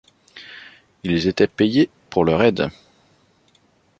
Ils étaient payé pour leur aide.